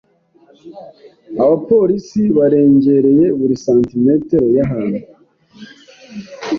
Abapolisi barengereye buri santimetero y’ahantu.